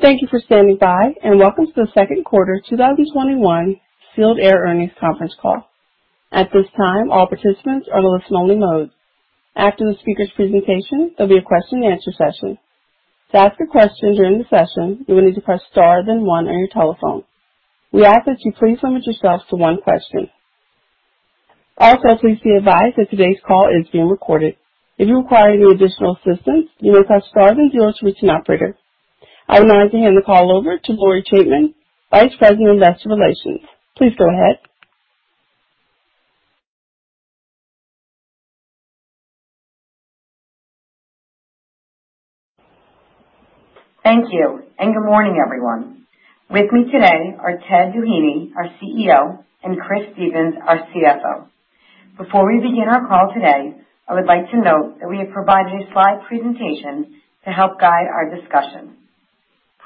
Thank you for standing by, and welcome to the second quarter 2021 Sealed Air earnings conference call. I would now like to hand the call over to Lori Chaitman, Vice President of Investor Relations. Please go ahead. Thank you, and good morning, everyone. With me today are Ted Doheny, our CEO, and Chris Stephens, our CFO. Before we begin our call today, I would like to note that we have provided a slide presentation to help guide our discussion.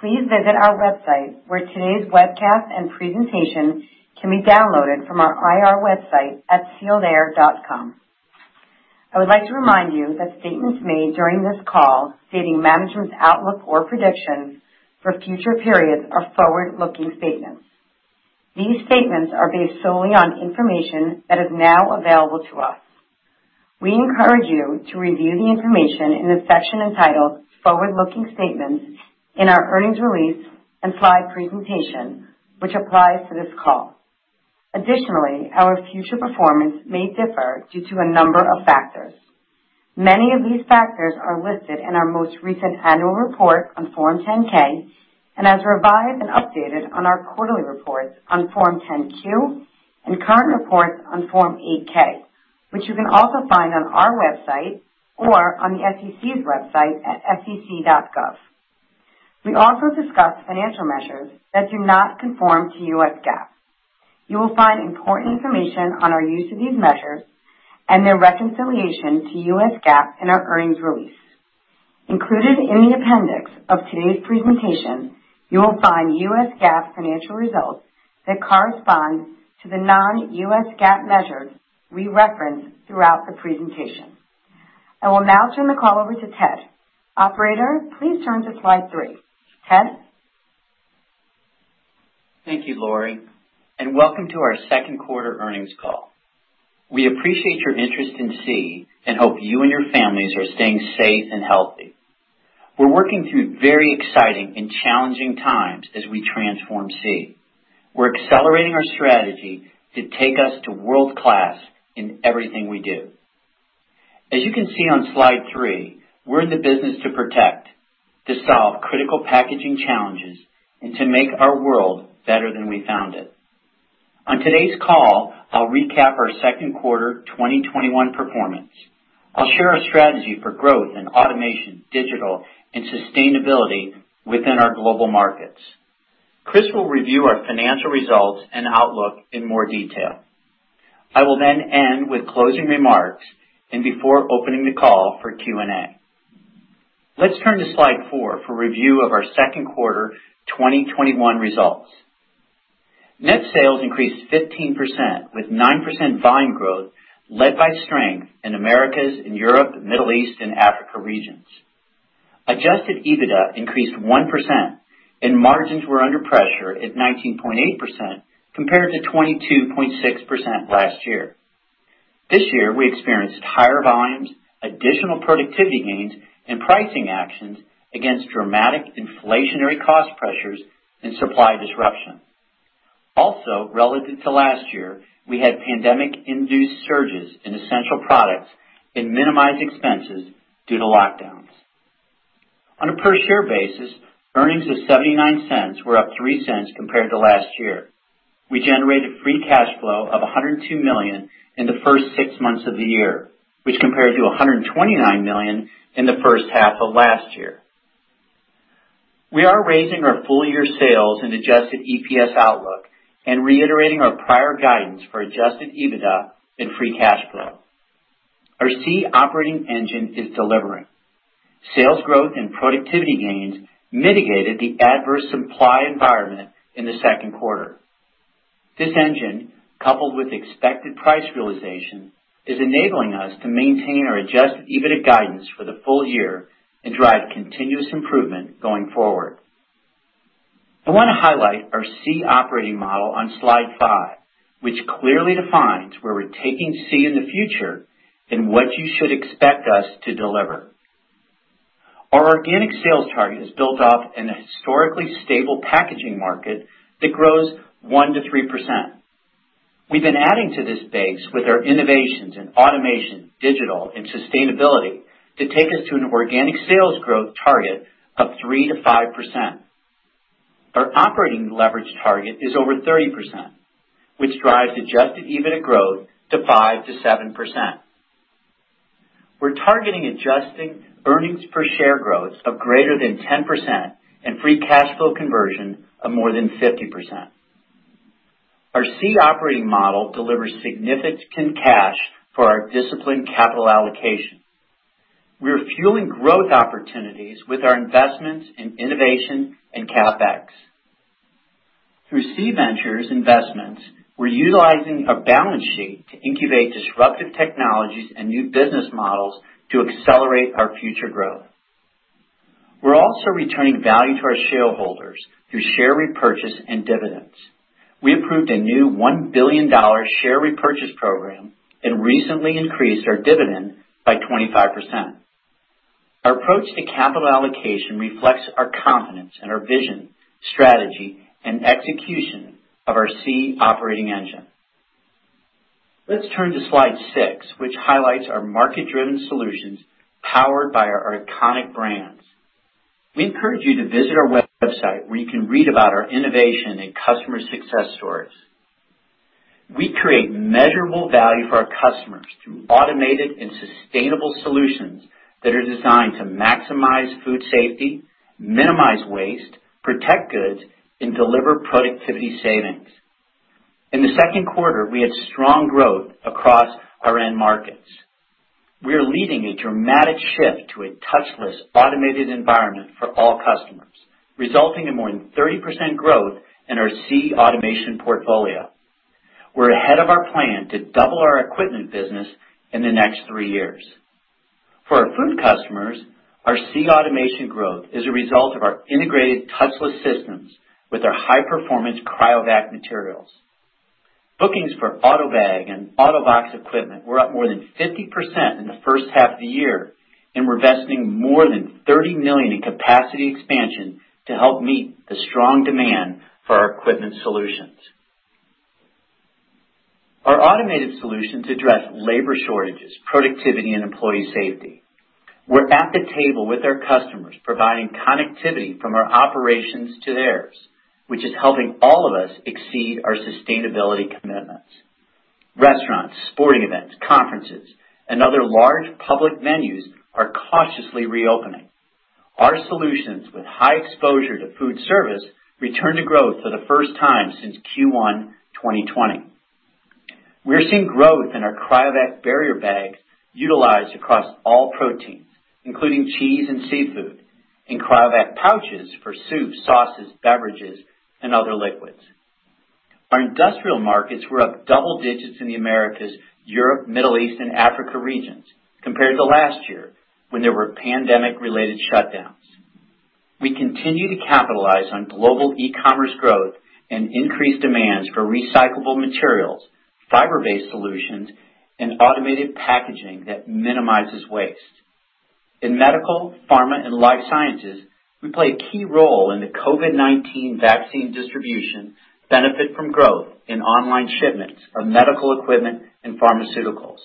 Please visit our website, where today's webcast and presentation can be downloaded from our IR website at sealedair.com. I would like to remind you that statements made during this call stating management's outlook or predictions for future periods are forward-looking statements. These statements are based solely on information that is now available to us. We encourage you to review the information in the section entitled Forward-Looking Statements in our earnings release and slide presentation, which applies to this call. Additionally, our future performance may differ due to a number of factors. Many of these factors are listed in our most recent annual report on Form 10-K and as revised and updated on our quarterly reports on Form 10-Q and current reports on Form 8-K, which you can also find on our website or on the SEC's website at sec.gov. We also discuss financial measures that do not conform to US GAAP. You will find important information on our use of these measures and their reconciliation to US GAAP in our earnings release. Included in the appendix of today's presentation, you will find US GAAP financial results that correspond to the non-US GAAP measures we reference throughout the presentation. I will now turn the call over to Ted. Operator, please turn to slide three. Ted? Thank you, Lori, and welcome to our second quarter earnings call. We appreciate your interest in SEE and hope you and your families are staying safe and healthy. We're working through very exciting and challenging times as we transform SEE. We're accelerating our strategy to take us to world-class in everything we do. As you can see on slide three, we're in the business to protect, to solve critical packaging challenges, and to make our world better than we found it. On today's call, I'll recap our second quarter 2021 performance. I'll share our strategy for growth in automation, digital and sustainability within our global markets. Chris will review our financial results and outlook in more detail. I will then end with closing remarks and before opening the call for Q&A. Let's turn to slide four for review of our second quarter 2021 results. Net sales increased 15%, with 9% volume growth led by strength in Americas and Europe, Middle East and Africa regions. Adjusted EBITDA increased 1% and margins were under pressure at 19.8% compared to 22.6% last year. This year, we experienced higher volumes, additional productivity gains, and pricing actions against dramatic inflationary cost pressures and supply disruption. Also, relative to last year, we had pandemic-induced surges in essential products and minimized expenses due to lockdowns. On a per-share basis, earnings of $0.79 were up $0.03 compared to last year. We generated free cash flow of $102 million in the first six months of the year, which compared to $129 million in the first half of last year. We are raising our full-year sales and adjusted EPS outlook and reiterating our prior guidance for adjusted EBITDA and free cash flow. Our SEE operating engine is delivering. Sales growth and productivity gains mitigated the adverse supply environment in the second quarter. This engine, coupled with expected price realization, is enabling us to maintain our adjusted EBITDA guidance for the full year and drive continuous improvement going forward. I want to highlight our SEE operating model on slide five, which clearly defines where we're taking SEE in the future and what you should expect us to deliver. Our organic sales target is built off an historically stable packaging market that grows 1%-3%. We've been adding to this base with our innovations in automation, digital and sustainability to take us to an organic sales growth target of 3%-5%. Our operating leverage target is over 30%, which drives adjusted EBITDA growth to 5%-7%. We're targeting adjusted earnings per share growth of greater than 10% and free cash flow conversion of more than 50%. Our SEE operating model delivers significant cash for our disciplined capital allocation. We are fueling growth opportunities with our investments in innovation and CapEx. Through SEE Ventures investments, we're utilizing our balance sheet to incubate disruptive technologies and new business models to accelerate our future growth. We're also returning value to our shareholders through share repurchase and dividends. We approved a new $1 billion share repurchase program and recently increased our dividend by 25%. Our approach to capital allocation reflects our confidence in our vision, strategy, and execution of our SEE operating engine. Let's turn to slide six, which highlights our market-driven solutions powered by our iconic brands. We encourage you to visit our website, where you can read about our innovation and customer success stories. We create measurable value for our customers through automated and sustainable solutions that are designed to maximize food safety, minimize waste, protect goods, and deliver productivity savings. In the second quarter, we had strong growth across our end markets. We are leading a dramatic shift to a touchless automated environment for all customers, resulting in more than 30% growth in our SEE Automation portfolio. We're ahead of our plan to double our equipment business in the next three years. For our Food customers, our SEE Automation growth is a result of our integrated touchless systems with our high-performance CRYOVAC materials. Bookings for AUTOBAG and AUTOBOX equipment were up more than 50% in the first half of the year. We're investing more than $30 million in capacity expansion to help meet the strong demand for our equipment solutions. Our automated solutions address labor shortages, productivity, and employee safety. We're at the table with our customers, providing connectivity from our operations to theirs, which is helping all of us exceed our sustainability commitments. Restaurants, sporting events, conferences, and other large public venues are cautiously reopening. Our solutions with high exposure to food service returned to growth for the first time since Q1 2020. We're seeing growth in our CRYOVAC barrier bag utilized across all proteins, including cheese and seafood, and CRYOVAC pouches for soups, sauces, beverages, and other liquids. Our industrial markets were up double digits in the Americas, Europe, the Middle East, and Africa regions compared to last year when there were pandemic-related shutdowns. We continue to capitalize on global e-commerce growth and increased demands for recyclable materials, fiber-based solutions, and automated packaging that minimizes waste. In medical, pharma, and life sciences, we play a key role in the COVID-19 vaccine distribution benefit from growth in online shipments of medical equipment and pharmaceuticals.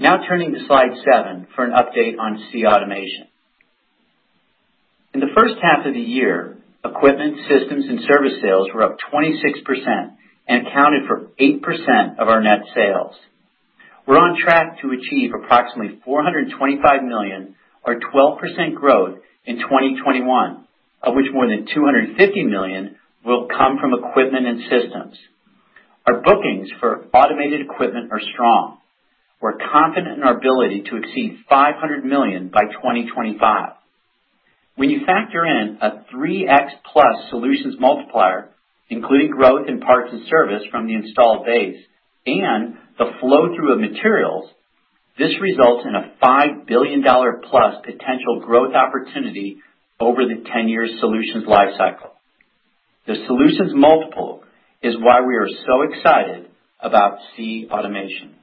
Turning to slide seven for an update on SEE Automation. In the first half of the year, equipment, systems, and service sales were up 26% and accounted for 8% of our net sales. We're on track to achieve approximately $425 million or 12% growth in 2021, of which more than $250 million will come from equipment and systems. Our bookings for automated equipment are strong. We're confident in our ability to exceed $500 million by 2025. When you factor in a 3x plus solutions multiplier, including growth in parts and service from the installed base and the flow-through of materials, this results in a $5 billion+ potential growth opportunity over the 10-year solutions lifecycle. The solutions multiple is why we are so excited about SEE Automation.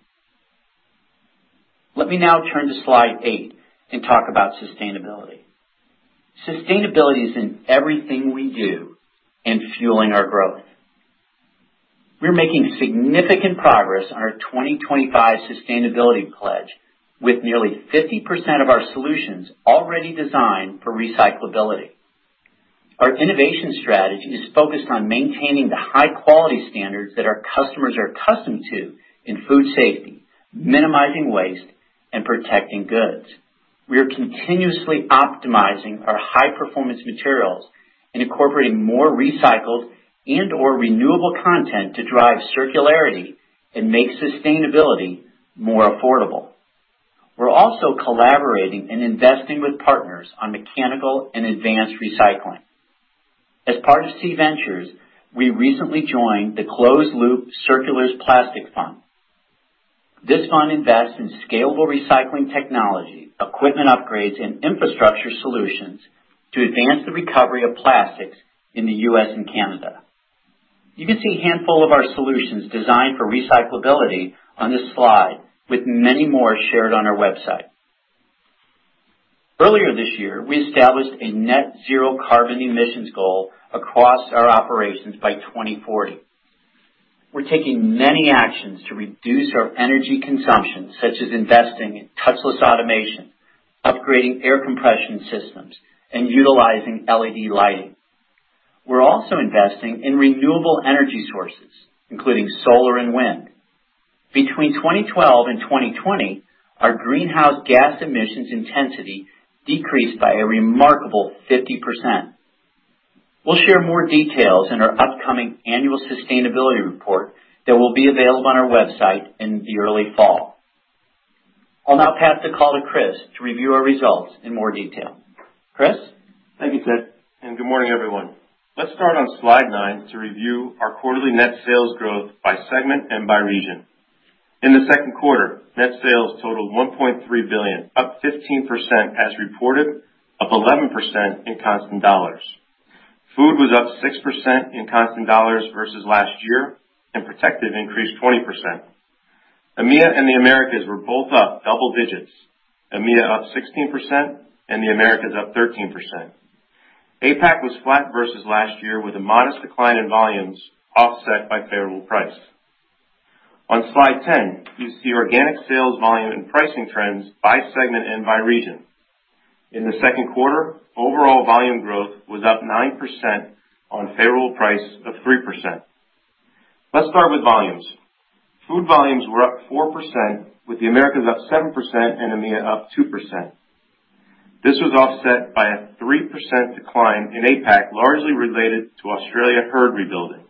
Let me now turn to slide eight and talk about sustainability. Sustainability is in everything we do and fueling our growth. We're making significant progress on our 2025 sustainability pledge with nearly 50% of our solutions already designed for recyclability. Our innovation strategy is focused on maintaining the high-quality standards that our customers are accustomed to in food safety, minimizing waste, and protecting goods. We are continuously optimizing our high-performance materials and incorporating more recycled and/or renewable content to drive circularity and make sustainability more affordable. We're also collaborating and investing with partners on mechanical and advanced recycling. As part of SEE Ventures, we recently joined the Closed Loop Circular Plastics Fund. This fund invests in scalable recycling technology, equipment upgrades, and infrastructure solutions to advance the recovery of plastics in the U.S. and Canada. You can see a handful of our solutions designed for recyclability on this slide, with many more shared on our website. Earlier this year, we established a net zero carbon emissions goal across our operations by 2040. We're taking many actions to reduce our energy consumption, such as investing in touchless automation, upgrading air compression systems, and utilizing LED lighting. We're also investing in renewable energy sources, including solar and wind. Between 2012 and 2020, our greenhouse gas emissions intensity decreased by a remarkable 50%. We'll share more details in our upcoming annual sustainability report that will be available on our website in the early fall. I'll now pass the call to Chris to review our results in more detail. Chris? Thank you, Ted. Good morning, everyone. Let's start on slide nine to review our quarterly net sales growth by segment and by region. In the second quarter, net sales totaled $1.3 billion, up 15% as reported, up 11% in constant dollars. Food was up 6% in constant dollars versus last year, and Protective increased 20%. EMEA and the Americas were both up double digits, EMEA up 16% and the Americas up 13%. APAC was flat versus last year, with a modest decline in volumes offset by favorable price. On slide 10, you see organic sales volume and pricing trends by segment and by region. In the second quarter, overall volume growth was up 9% on favorable price of 3%. Let's start with volumes. Food volumes were up 4%, with the Americas up 7% and EMEA up 2%. This was offset by a 3% decline in APAC, largely related to Australia herd rebuilding.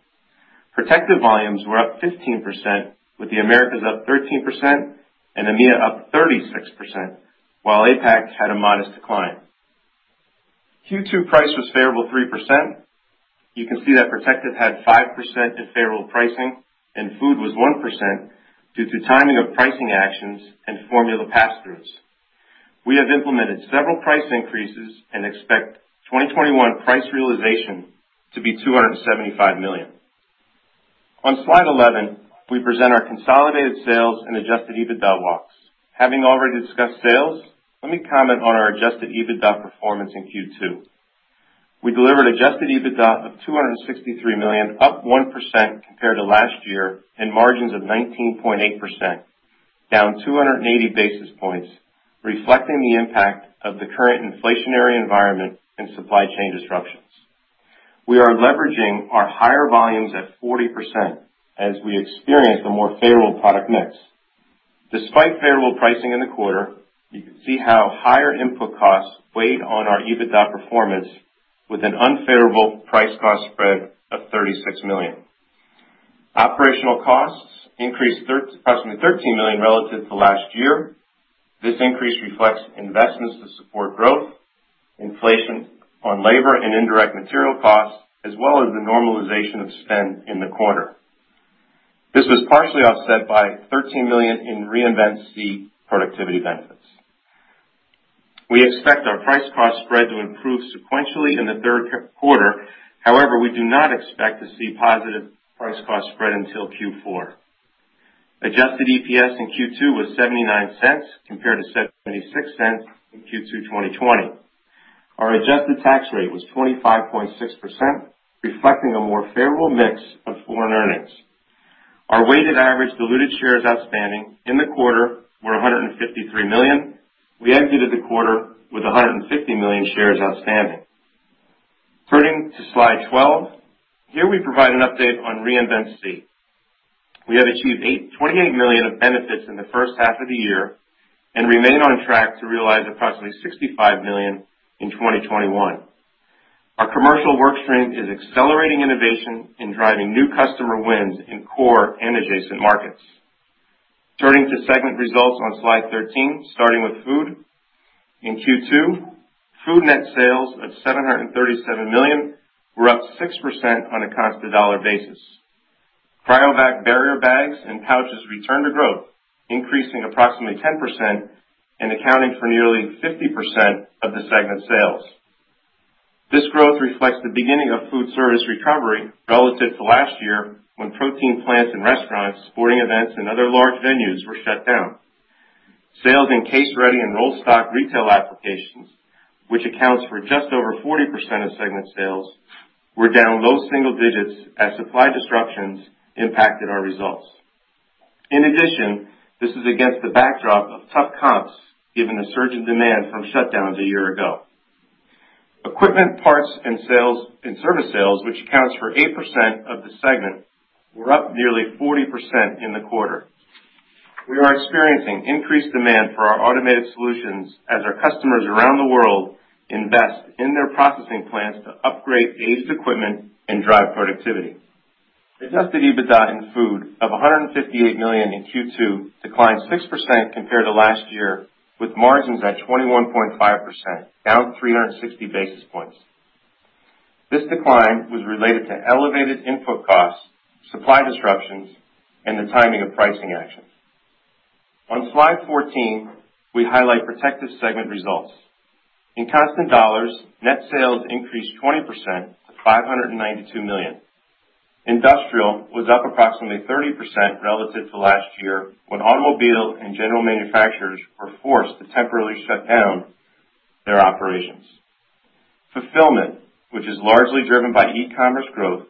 Protective volumes were up 15%, with the Americas up 13% and EMEA up 36%, while APAC had a modest decline. Q2 price was favorable 3%. You can see that Protective had 5% in favorable pricing and Food was 1%, due to timing of pricing actions and formula pass-throughs. We have implemented several price increases and expect 2021 price realization to be $275 million. On slide 11, we present our consolidated sales and adjusted EBITDA walks. Having already discussed sales, let me comment on our adjusted EBITDA performance in Q2. We delivered adjusted EBITDA of $263 million, up 1% compared to last year, and margins of 19.8%, down 280 basis points, reflecting the impact of the current inflationary environment and supply chain disruptions. We are leveraging our higher volumes at 40% as we experience a more favorable product mix. Despite favorable pricing in the quarter, you can see how higher input costs weighed on our EBITDA performance with an unfavorable price cost spread of $36 million. Operational costs increased approximately $13 million relative to last year. This increase reflects investments to support growth, inflation on labor and indirect material costs, as well as the normalization of spend in the quarter. This was partially offset by $13 million in Reinvent SEE productivity benefits. We expect our price cost spread to improve sequentially in the third quarter. However, we do not expect to see positive price cost spread until Q4. Adjusted EPS in Q2 was $0.79 compared to $0.76 in Q2 2020. Our adjusted tax rate was 25.6%, reflecting a more favorable mix of foreign earnings. Our weighted average diluted shares outstanding in the quarter were 153 million. We exited the quarter with 150 million shares outstanding. Turning to slide 12, here we provide an update on Reinvent SEE. We have achieved $28 million of benefits in the first half of the year and remain on track to realize approximately $65 million in 2021. Our commercial work stream is accelerating innovation and driving new customer wins in core and adjacent markets. Turning to segment results on slide 13, starting with Food. In Q2, Food net sales of $737 million were up 6% on a constant dollar basis. CRYOVAC barrier bags and pouches returned to growth, increasing approximately 10% and accounting for nearly 50% of the segment sales. This growth reflects the beginning of food service recovery relative to last year, when protein plants and restaurants, sporting events, and other large venues were shut down. Sales in case-ready and rollstock retail applications, which accounts for just over 40% of segment sales, were down low single digits as supply disruptions impacted our results. This is against the backdrop of tough comps, given the surge in demand from shutdowns a year ago. Equipment, parts, and service sales, which accounts for 8% of the segment, were up nearly 40% in the quarter. We are experiencing increased demand for our automated solutions as our customers around the world invest in their processing plants to upgrade aged equipment and drive productivity. adjusted EBITDA in Food of $158 million in Q2 declined 6% compared to last year, with margins at 21.5%, down 360 basis points. This decline was related to elevated input costs, supply disruptions, and the timing of pricing actions. On slide 14, we highlight Protective segment results. In constant dollars, net sales increased 20% to $592 million. Industrial was up approximately 30% relative to last year when automobile and general manufacturers were forced to temporarily shut down their operations. Fulfillment, which is largely driven by e-commerce growth,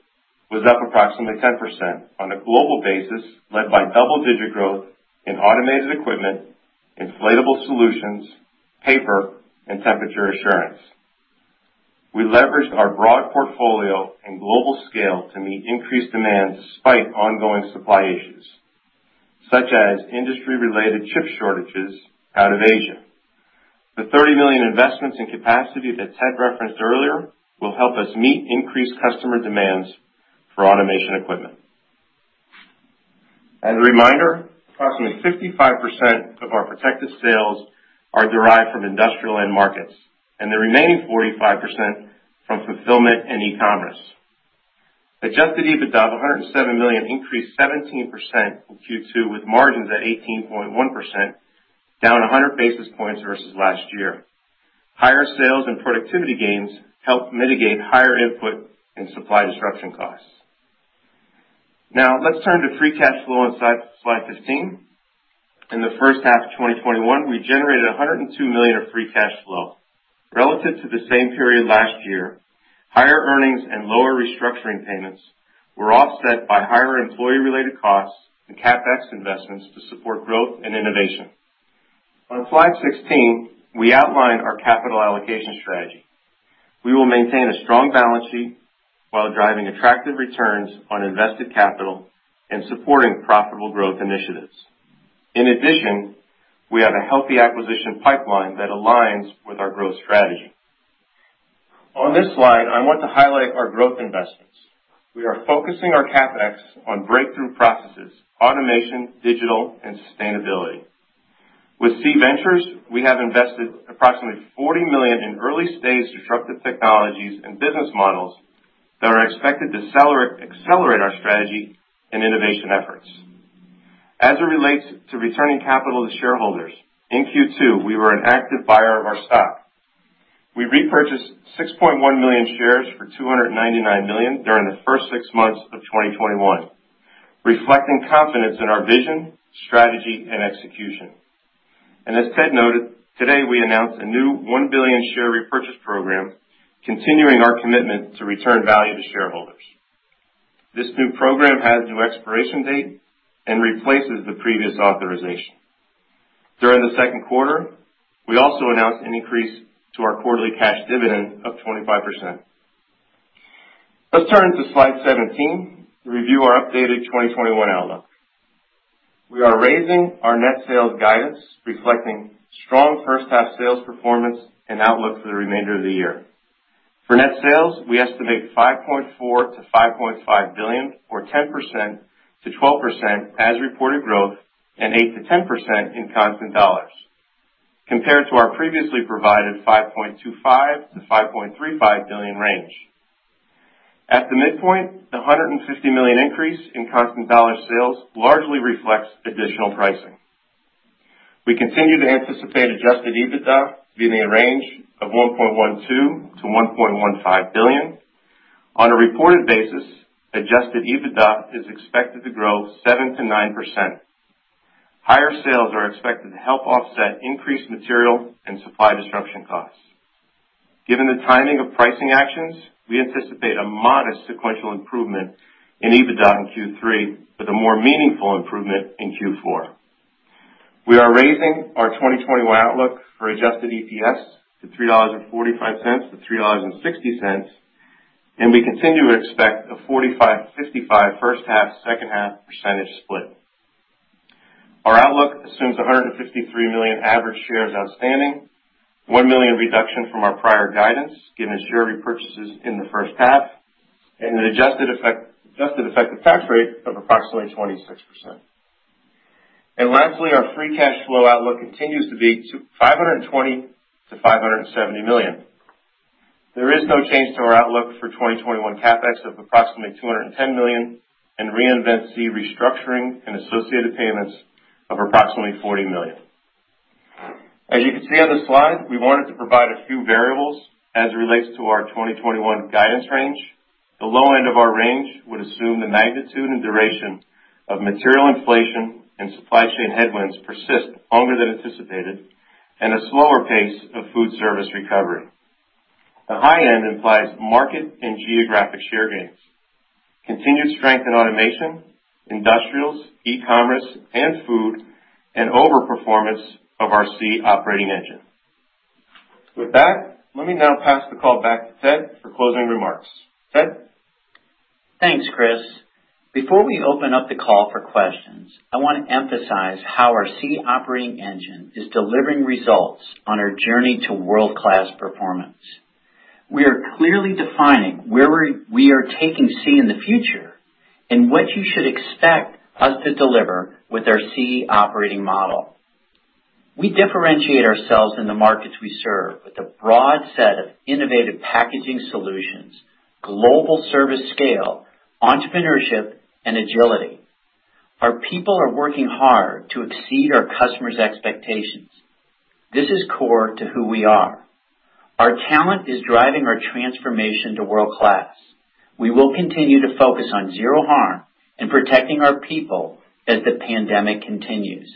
was up approximately 10% on a global basis, led by double-digit growth in automated equipment, inflatable solutions, paper, and temperature assurance. We leveraged our broad portfolio and global scale to meet increased demand despite ongoing supply issues, such as industry-related chip shortages out of Asia. The $30 million investments in capacity that Ted referenced earlier will help us meet increased customer demands for automation equipment. As a reminder, approximately 55% of our Protective sales are derived from Industrial end markets, and the remaining 45% from Fulfillment and e-commerce. Adjusted EBITDA of $107 million increased 17% in Q2, with margins at 18.1%, down 100 basis points versus last year. Higher sales and productivity gains helped mitigate higher input and supply disruption costs. Let's turn to free cash flow on slide 15. In the first half of 2021, we generated $102 million of free cash flow. Relative to the same period last year, higher earnings and lower restructuring payments were offset by higher employee-related costs and CapEx investments to support growth and innovation. On slide 16, we outline our capital allocation strategy. We will maintain a strong balance sheet while driving attractive returns on invested capital and supporting profitable growth initiatives. We have a healthy acquisition pipeline that aligns with our growth strategy. On this slide, I want to highlight our growth investments. We are focusing our CapEx on breakthrough processes, automation, digital, and sustainability. With SEE Ventures, we have invested approximately $40 million in early-stage disruptive technologies and business models that are expected to accelerate our strategy and innovation efforts. As it relates to returning capital to shareholders, in Q2, we were an active buyer of our stock. We repurchased 6.1 million shares for $299 million during the first six months of 2021, reflecting confidence in our vision, strategy, and execution. As Ted noted, today we announced a new $1 billion share repurchase program, continuing our commitment to return value to shareholders. This new program has no expiration date and replaces the previous authorization. During the second quarter, we also announced an increase to our quarterly cash dividend of 25%. Let's turn to slide 17 to review our updated 2021 outlook. We are raising our net sales guidance, reflecting strong first-half sales performance and outlook for the remainder of the year. For net sales, we estimate $5.4 billion-$5.5 billion, or 10%-12% as reported growth, and 8%-10% in constant dollars, compared to our previously provided $5.25 billion-$5.35 billion range. At the midpoint, the $150 million increase in constant dollar sales largely reflects additional pricing. We continue to anticipate adjusted EBITDA to be in the range of $1.12 billion-$1.15 billion. On a reported basis, adjusted EBITDA is expected to grow 7%-9%. Higher sales are expected to help offset increased material and supply disruption costs. Given the timing of pricing actions, we anticipate a modest sequential improvement in EBITDA in Q3, with a more meaningful improvement in Q4. We are raising our 2021 outlook for adjusted EPS to $3.45-$3.60, and we continue to expect a 45/55 first half/second half percentage split. Our outlook assumes 153 million average shares outstanding, 1 million reduction from our prior guidance, given share repurchases in the first half, and an adjusted effective tax rate of approximately 26%. Our free cash flow outlook continues to be to $520 million-$570 million. There is no change to our outlook for 2021 CapEx of approximately $210 million and Reinvent SEE restructuring and associated payments of approximately $40 million. As you can see on the slide, we wanted to provide a few variables as it relates to our 2021 guidance range. The low end of our range would assume the magnitude and duration of material inflation and supply chain headwinds persist longer than anticipated and a slower pace of food service recovery. The high end implies market and geographic share gains, continued strength in automation, industrials, e-commerce and food, and overperformance of our SEE operating engine. With that, let me now pass the call back to Ted for closing remarks. Ted? Thanks, Chris. Before we open up the call for questions, I want to emphasize how our SEE operating engine is delivering results on our journey to world-class performance. We are clearly defining where we are taking SEE in the future and what you should expect us to deliver with our SEE operating model. We differentiate ourselves in the markets we serve with a broad set of innovative packaging solutions, global service scale, entrepreneurship, and agility. Our people are working hard to exceed our customers' expectations. This is core to who we are. Our talent is driving our transformation to world-class. We will continue to focus on zero harm and protecting our people as the pandemic continues.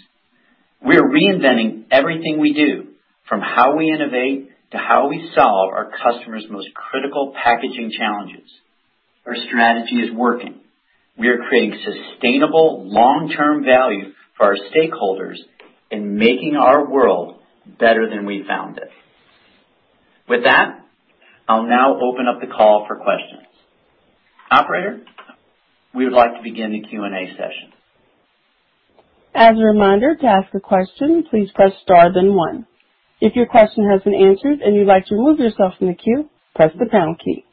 We are reinventing everything we do, from how we innovate to how we solve our customers' most critical packaging challenges. Our strategy is working. We are creating sustainable long-term value for our stakeholders in making our world better than we found it. With that, I'll now open up the call for questions. Operator, we would like to begin the Q&A session. As a reminder to ask question please press star then one. If your question has been answered and you want to remove yourself from the queue, press the pound key.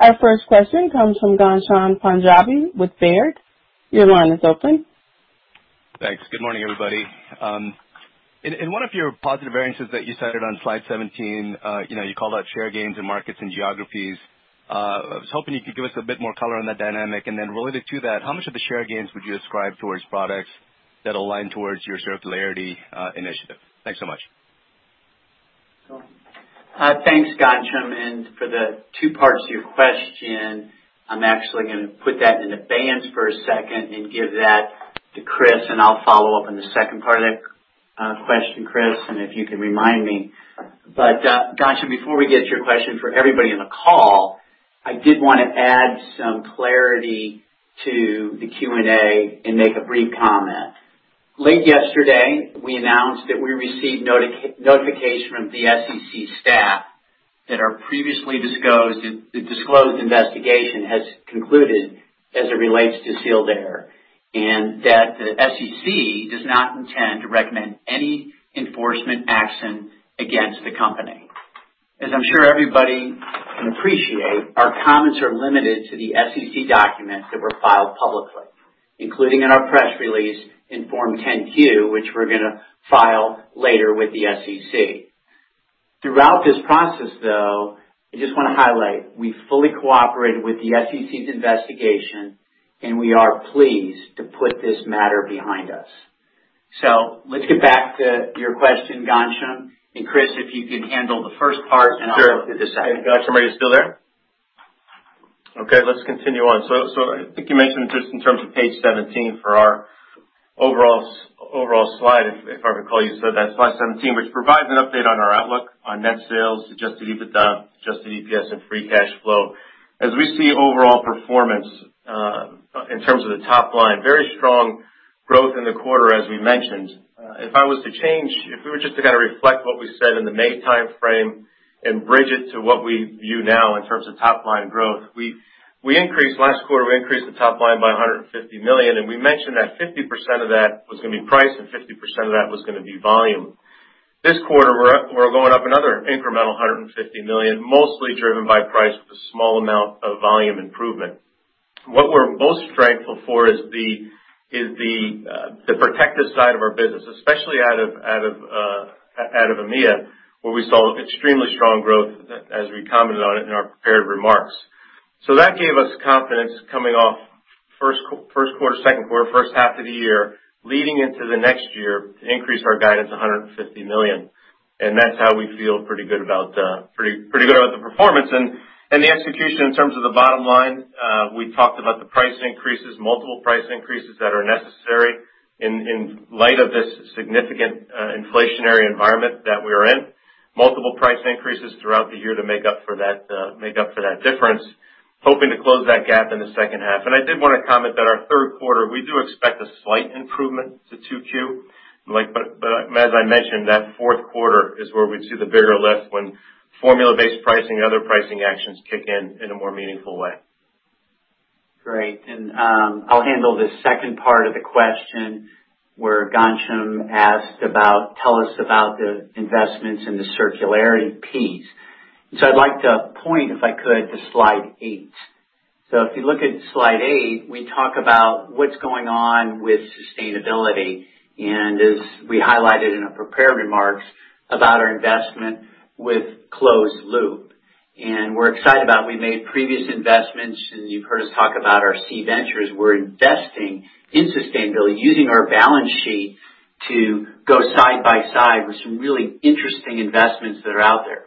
Our first question comes from Ghansham Panjabi with Baird. Your line is open. Thanks. Good morning, everybody. In one of your positive variances that you cited on slide 17, you called out share gains in markets and geographies. I was hoping you could give us a bit more color on that dynamic. Then related to that, how much of the share gains would you ascribe towards products that align towards your circularity initiative? Thanks so much. Thanks, Ghansham, for the two parts of your question, I'm actually going to put that into hands for a second and give that to Chris, if you could remind me. Ghansham, before we get to your question, for everybody on the call, I did want to add some clarity to the Q&A and make a brief comment. Late yesterday, we announced that we received notification from the SEC staff that our previously disclosed investigation has concluded as it relates to Sealed Air, and that the SEC does not intend to recommend any enforcement action against the company. As I'm sure everybody can appreciate, our comments are limited to the SEC documents that were filed publicly, including in our press release in Form 10-Q, which we're going to file later with the SEC. Throughout this process, though, I just want to highlight, we fully cooperated with the SEC's investigation, and we are pleased to put this matter behind us. Let's get back to your question, Ghansham, and Chris, if you could handle the first part. Sure I'll do the second. Ghansham, are you still there? Okay, let's continue on. I think you mentioned just in terms of page 17 for our overall slide, if I recall, you said that slide 17, which provides an update on our outlook on net sales, adjusted EBITDA, adjusted EPS, and free cash flow. As we see overall performance in terms of the top line, very strong growth in the quarter as we mentioned. If we were just to kind of reflect what we said in the May timeframe and bridge it to what we view now in terms of top-line growth, last quarter, we increased the top line by $150 million, and we mentioned that 50% of that was going to be price and 50% of that was going to be volume. This quarter, we're going up another incremental $150 million, mostly driven by price with a small amount of volume improvement. What we're most thankful for is the Protective side of our business, especially out of EMEA, where we saw extremely strong growth as we commented on it in our prepared remarks. That gave us confidence coming off first quarter, second quarter, first half of the year, leading into the next year to increase our guidance $150 million, and that's how we feel pretty good about the performance. The execution in terms of the bottom line, we talked about the price increases, multiple price increases that are necessary in light of this significant inflationary environment that we're in. Multiple price increases throughout the year to make up for that difference, hoping to close that gap in the second half. I did want to comment that our third quarter, we do expect a slight improvement to Q2. As I mentioned, that fourth quarter is where we'd see the bigger lift when formula-based pricing and other pricing actions kick in in a more meaningful way. Great. I'll handle the second part of the question where Ghansham asked about, tell us about the investments in the circularity piece. I'd like to point, if I could, to slide eight. If you look at slide eight, we talk about what's going on with sustainability, and as we highlighted in our prepared remarks about our investment with Closed Loop. We made previous investments, and you've heard us talk about our SEE Ventures. We're investing in sustainability using our balance sheet to go side by side with some really interesting investments that are out there.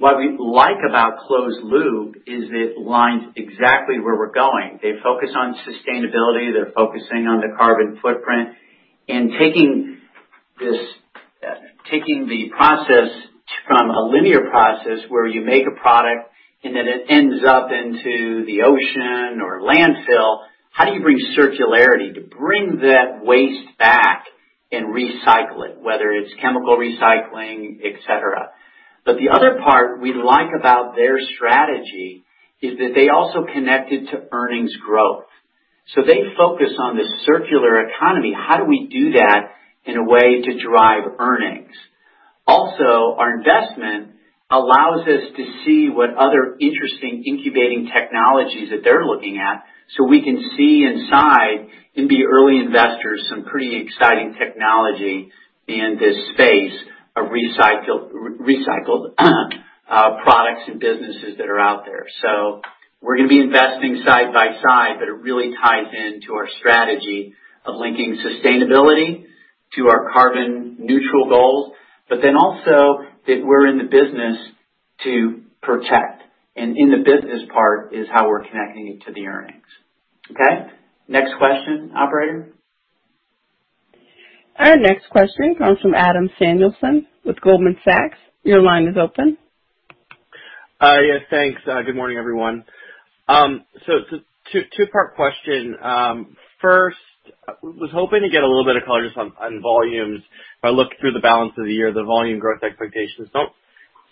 What we like about Closed Loop is it aligns exactly where we're going. They focus on sustainability. They're focusing on the carbon footprint and taking the process from a linear process where you make a product and then it ends up into the ocean or landfill. How do you bring circularity to bring that waste back and recycle it, whether it's chemical recycling, et cetera? The other part we like about their strategy is that they also connect it to earnings growth. They focus on this circular economy. How do we do that in a way to drive earnings? Also, our investment allows us to see what other interesting incubating technologies that they're looking at, so we can see inside and be early investors, some pretty exciting technology in this space of recycled products and businesses that are out there. We're going to be investing side by side, but it really ties into our strategy of linking sustainability to our carbon neutral goals. Also that we're in the business to protect, and in the business part is how we're connecting it to the earnings. Okay? Next question, operator. Our next question comes from Adam Samuelson with Goldman Sachs. Your line is open. Yes, thanks. Good morning, everyone. Two-part question. First, was hoping to get a little bit of color just on volumes. If I look through the balance of the year, the volume growth expectations don't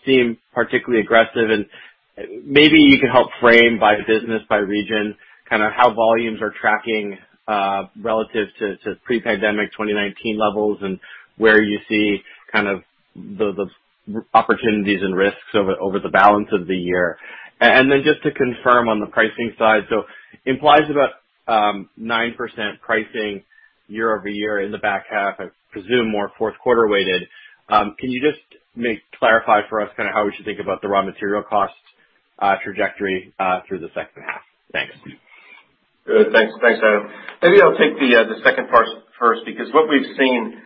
seem particularly aggressive, and maybe you could help frame by business, by region, kind of how volumes are tracking, relative to pre-pandemic 2019 levels, and where you see the opportunities and risks over the balance of the year. Just to confirm on the pricing side, implies about 9% pricing year-over-year in the back half, I presume more fourth quarter weighted. Can you just clarify for us how we should think about the raw material costs trajectory through the second half? Thanks. Good. Thanks, Adam. Maybe I'll take the second part first. What we've seen,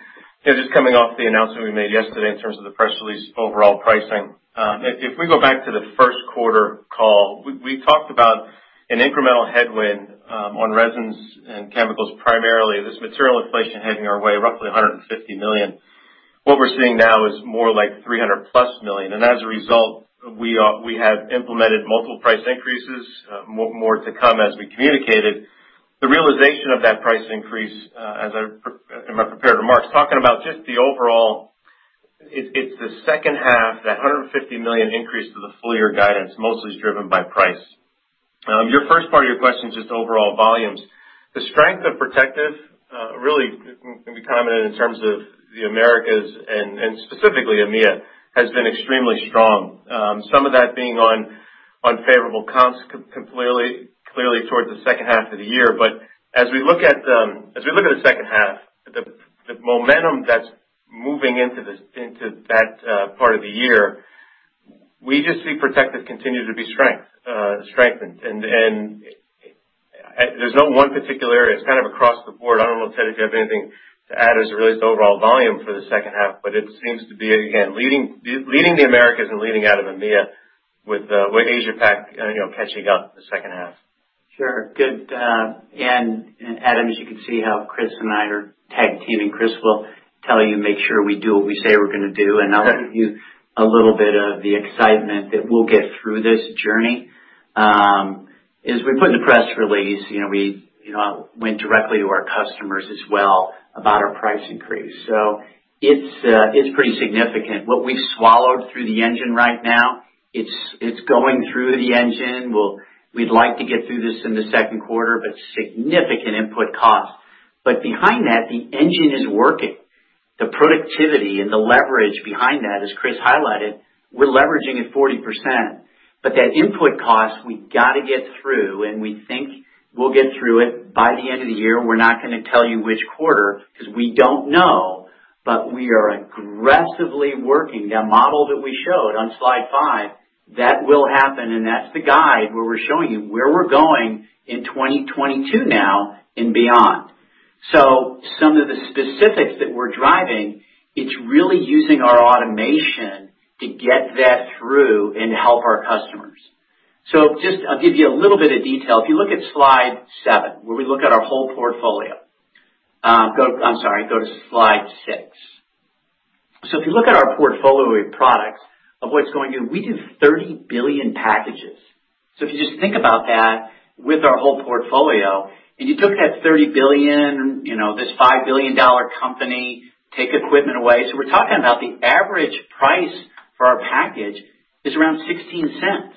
just coming off the announcement we made yesterday in terms of the press release overall pricing. If we go back to the first quarter call, we talked about an incremental headwind on resins and chemicals, primarily this material inflation heading our way, roughly $150 million. What we're seeing now is more like $300+ million. As a result, we have implemented multiple price increases, more to come as we communicated. The realization of that price increase, in my prepared remarks, talking about just the overall, it's the second half, that $150 million increase to the full year guidance mostly is driven by price. Your first part of your question, just overall volumes. The strength of Protective really can be commented in terms of the Americas and specifically EMEA, has been extremely strong. Some of that being on favorable comps clearly towards the second half of the year. As we look at the second half, the momentum that's moving into that part of the year, we just see Protective continue to be strengthened. There's no one particular area. It's kind of across the board. I don't know, Ted, if you have anything to add as it relates to overall volume for the second half, it seems to be, again, leading the Americas and leading out of EMEA with Asia Pac catching up in the second half. Sure. Good. Adam, as you can see how Chris and I are tag teaming, Chris will tell you, make sure we do what we say we're gonna do. I'll give you a little bit of the excitement that we'll get through this journey. As we put in the press release, we went directly to our customers as well about our price increase. It's pretty significant. What we've swallowed through the engine right now, it's going through the engine. We'd like to get through this in the second quarter, but significant input cost. Behind that, the engine is working. The productivity and the leverage behind that, as Chris highlighted, we're leveraging at 40%. That input cost we've got to get through, and we think we'll get through it by the end of the year. We're not gonna tell you which quarter, because we don't know. We are aggressively working. That model that we showed on slide five, that will happen, and that's the guide where we're showing you where we're going in 2022 now and beyond. Some of the specifics that we're driving, it's really using our automation to get that through and help our customers. Just, I'll give you a little bit of detail. If you look at slide seven, where we look at our whole portfolio. I'm sorry, go to slide six. If you look at our portfolio of products of what's going through, we do 30 billion packages. If you just think about that with our whole portfolio, and you took that 30 billion, this $5 billion company, take equipment away. We're talking about the average price for our package is around $0.16.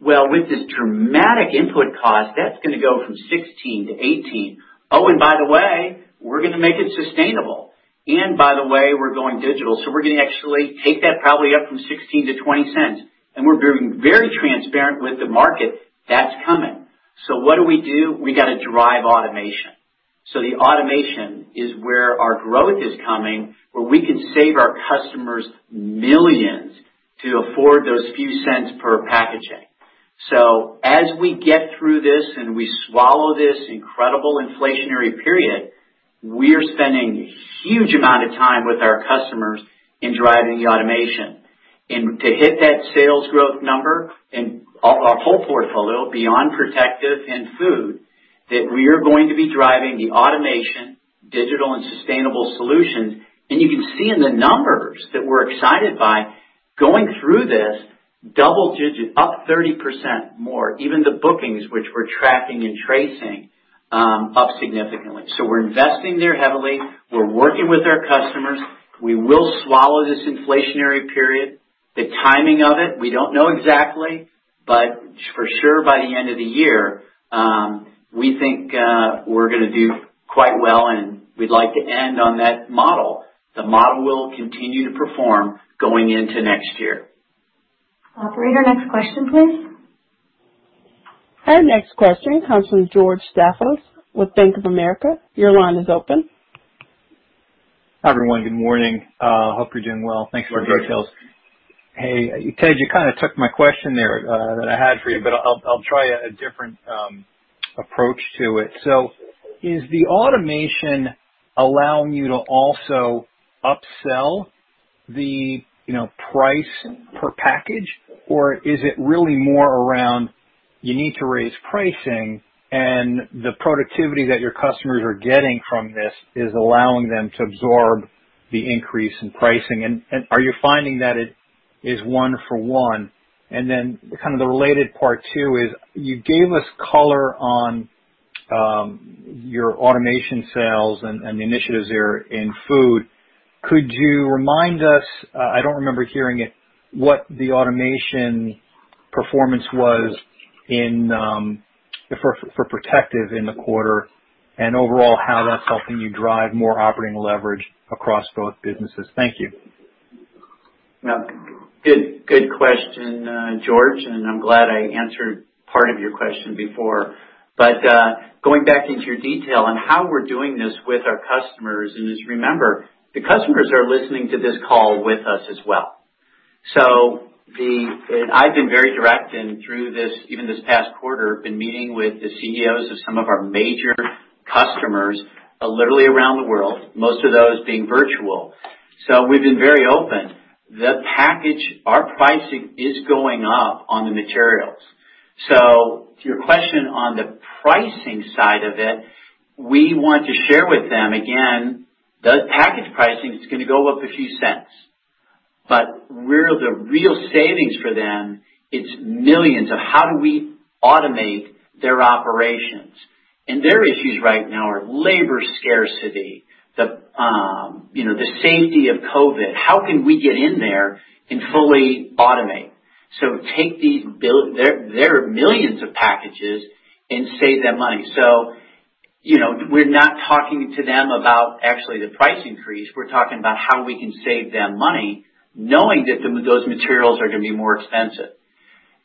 Well, with this dramatic input cost, that's gonna go from $0.16-$0.18. Oh, by the way, we're gonna make it sustainable. By the way, we're going digital. We're gonna actually take that probably up from $0.16-$0.20. We're being very transparent with the market. That's coming. What do we do? We got to drive automation. The automation is where our growth is coming, where we can save our customers millions to afford those few cents per packaging. As we get through this and we swallow this incredible inflationary period, we're spending huge amount of time with our customers in driving the automation. To hit that sales growth number in our whole portfolio, beyond Protective and Food, we are going to be driving the automation, digital, and sustainable solutions. You can see in the numbers that we're excited by going through this double-digit, up 30% more, even the bookings, which we're tracking and tracing, up significantly. We're investing there heavily. We're working with our customers. We will swallow this inflationary period. The timing of it, we don't know exactly, but for sure by the end of the year, we think we're gonna do quite well, and we'd like to end on that model. The model will continue to perform going into next year. Operator, next question please. Our next question comes from George Staphos with Bank of America. Your line is open. Hi, everyone. Good morning. Hope you're doing well. Thanks for the details. Hey, Ted, you kind of took my question there that I had for you, but I'll try a different approach to it. Is the automation allowing you to also upsell the price per package, or is it really more aroundYou need to raise pricing, and the productivity that your customers are getting from this is allowing them to absorb the increase in pricing. Are you finding that it is one for one? Kind of the related part too is, you gave us color on your automation sales and the initiatives there in Food. Could you remind us, I don't remember hearing it, what the automation performance was for Protective in the quarter, and overall, how that's helping you drive more operating leverage across both businesses? Thank you. Yeah. Good question, George, and I'm glad I answered part of your question before. Going back into your detail on how we're doing this with our customers, and just remember, the customers are listening to this call with us as well. I've been very direct, and through this, even this past quarter, been meeting with the CEOs of some of our major customers, literally around the world, most of those being virtual. We've been very open. Our pricing is going up on the materials. To your question on the pricing side of it, we want to share with them, again, the package pricing is going to go up a few cents. The real savings for them, it's millions of how do we automate their operations. Their issues right now are labor scarcity, the safety of COVID. How can we get in there and fully automate? Take their millions of packages and save them money. We're not talking to them about actually the price increase. We're talking about how we can save them money knowing that those materials are going to be more expensive.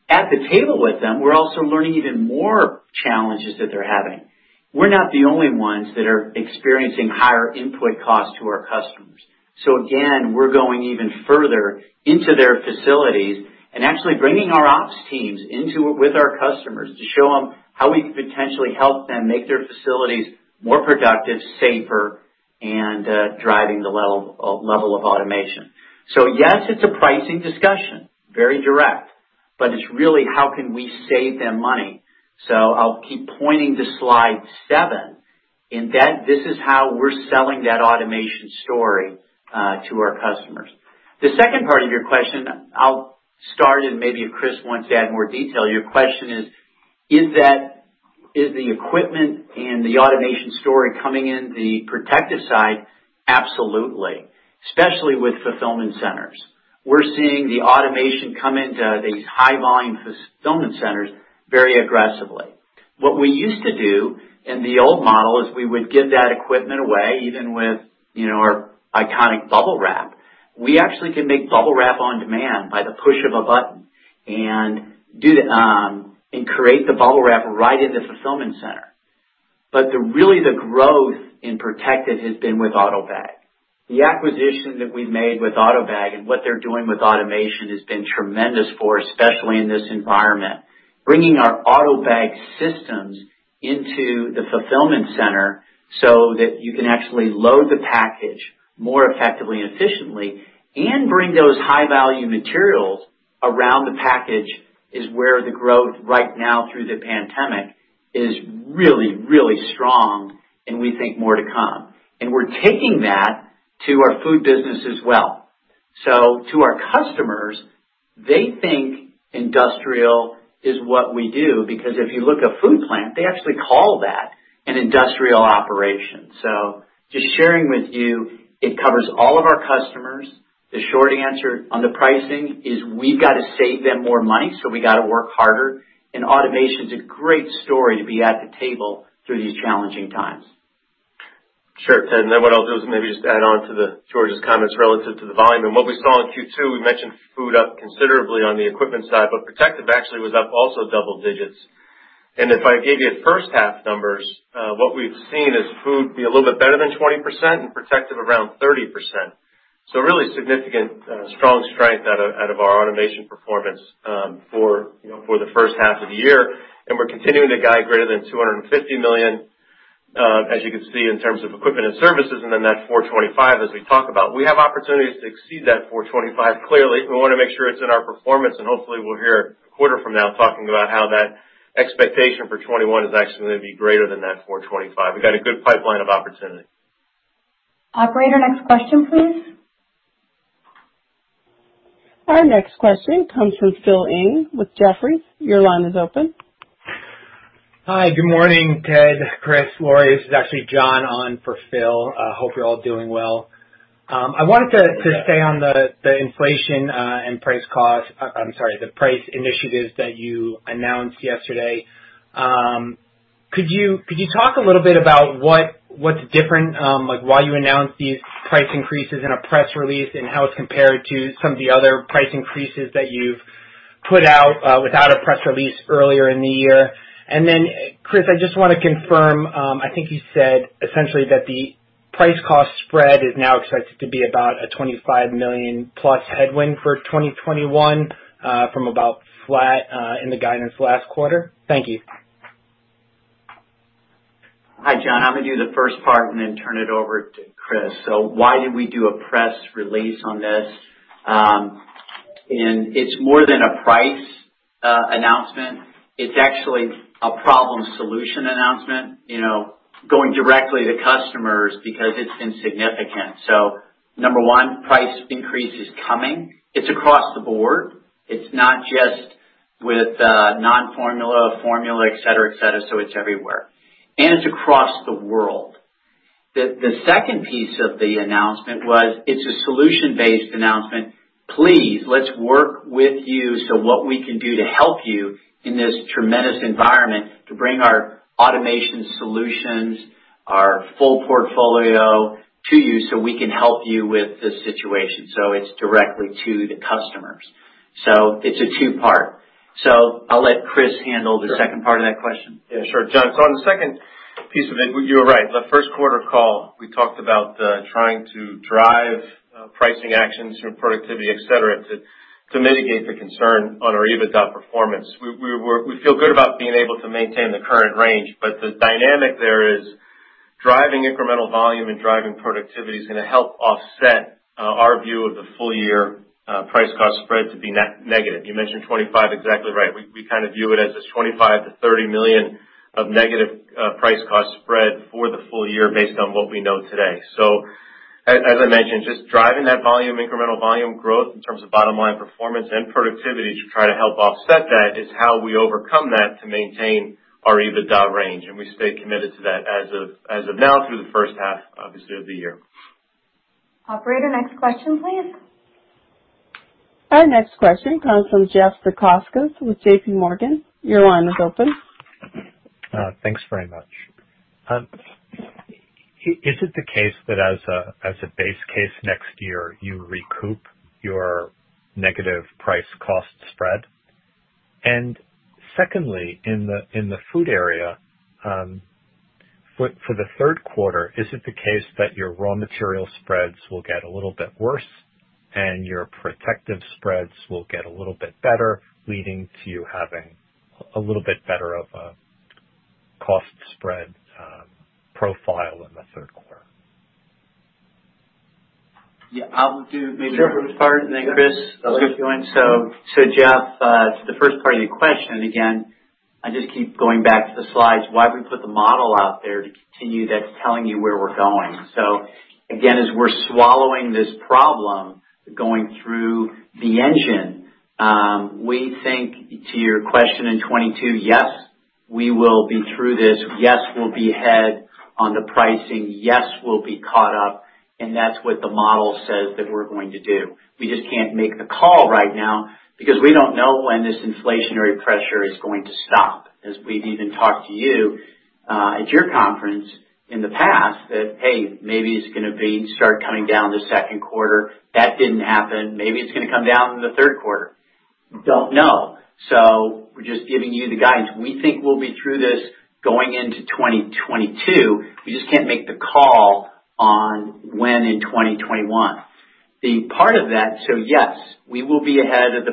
At the table with them, we're also learning even more challenges that they're having. We're not the only ones that are experiencing higher input costs to our customers. Again, we're going even further into their facilities and actually bringing our ops teams with our customers to show them how we can potentially help them make their facilities more productive, safer, and driving the level of automation. Yes, it's a pricing discussion, very direct, but it's really how can we save them money. I'll keep pointing to slide seven, in that this is how we're selling that automation story to our customers. The second part of your question, I'll start and maybe if Chris wants to add more detail. Your question is the equipment and the automation story coming in the Protective side? Absolutely. Especially with fulfillment centers. We're seeing the automation come into these high volume fulfillment centers very aggressively. What we used to do in the old model is we would give that equipment away, even with our iconic BUBBLE WRAP. We actually can make BUBBLE WRAP on demand by the push of a button and create the BUBBLE WRAP right in the fulfillment center. Really the growth in Protective has been with AUTOBAG. The acquisition that we've made with AUTOBAG and what they're doing with automation has been tremendous for us, especially in this environment. Bringing our AUTOBAG systems into the fulfillment center so that you can actually load the package more effectively and efficiently and bring those high-value materials around the package is where the growth right now through the pandemic is really, really strong, and we think more to come. We're taking that to our Food business as well. To our customers, they think industrial is what we do, because if you look at a food plant, they actually call that an industrial operation. Just sharing with you, it covers all of our customers. The short answer on the pricing is we've got to save them more money, so we got to work harder, and automation's a great story to be at the table through these challenging times. Sure, Ted. What I'll do is maybe just add on to George's comments relative to the volume. What we saw in Q2, we mentioned Food up considerably on the equipment side, but Protective actually was up also double digits. If I gave you first half numbers, what we've seen is Food be a little bit better than 20% and Protective around 30%. Really significant, strong strength out of our automation performance for the first half of the year. We're continuing to guide greater than $250 million, as you can see in terms of equipment and services, and then that $425 as we talk about. We have opportunities to exceed that $425, clearly. We want to make sure it's in our performance, and hopefully we'll hear a quarter from now talking about how that expectation for 2021 is actually going to be greater than that $425. We've got a good pipeline of opportunity. Operator, next question, please. Our next question comes from Philip Ng with Jefferies. Your line is open. Hi, good morning, Ted, Chris, Lori. This is actually John on for Phil. Hope you're all doing well. I wanted to stay on the inflation, and I'm sorry, the price initiatives that you announced yesterday. Could you talk a little bit about what's different, like why you announced these price increases in a press release and how it's compared to some of the other price increases that you've put out, without a press release earlier in the year? Then, Chris, I just want to confirm, I think you said essentially that the price cost spread is now expected to be about a $25 million+ headwind for 2021, from about flat, in the guidance last quarter. Thank you. I'm going to do the first part and then turn it over to Chris. Why did we do a press release on this? It's more than a price announcement. It's actually a problem solution announcement, going directly to customers because it's significant. Number one, price increase is coming. It's across the board. It's not just with non-formula, formula, et cetera. It's everywhere. It's across the world. The second piece of the announcement was, it's a solution-based announcement. Please, let's work with you so what we can do to help you in this tremendous environment to bring our SEE Automation solutions, our full portfolio to you so we can help you with this situation. It's directly to the customers. It's a two-part. I'll let Chris handle the second part of that question. Yeah, sure. John, on the second piece of it, you're right. The first quarter call, we talked about trying to drive pricing actions from productivity, et cetera, to mitigate the concern on our EBITDA performance. We feel good about being able to maintain the current range, the dynamic there is driving incremental volume and driving productivity is going to help offset our view of the full year price cost spread to be negative. You mentioned 25, exactly right. We kind of view it as this $25 million-$30 million of negative price cost spread for the full year based on what we know today. As I mentioned, just driving that volume, incremental volume growth in terms of bottom line performance and productivity to try to help offset that is how we overcome that to maintain our EBITDA range. We stay committed to that as of now through the first half, obviously, of the year. Operator, next question, please. Our next question comes from Jeff Zekauskas with JPMorgan. Your line is open. Thanks very much. Is it the case that as a base case next year, you recoup your negative price cost spread? Secondly, in the Food area, for the third quarter, is it the case that your raw material spreads will get a little bit worse and your Protective spreads will get a little bit better, leading to having a little bit better of a cost spread profile in the third quarter? Yeah. I'll do maybe the first part and then Chris. Jeff, to the first part of your question, again, I just keep going back to the slides, why we put the model out there to you that's telling you where we're going. Again, as we're swallowing this problem, going through the engine, we think to your question in 2022, yes, we will be through this, yes, we'll be ahead on the pricing, yes, we'll be caught up and that's what the model says that we're going to do. We just can't make the call right now because we don't know when this inflationary pressure is going to stop. As we've even talked to you, at your conference in the past that, hey, maybe it's going to start coming down the second quarter. That didn't happen. Maybe it's going to come down in the third quarter. Don't know. We're just giving you the guidance. We think we'll be through this going into 2022. We just can't make the call on when in 2021. The part of that, yes, we will have